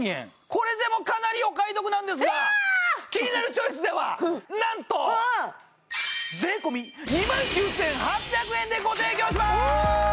これでもかなりお買い得なんですがキニナルチョイスではなんと税込２万９８００円でご提供します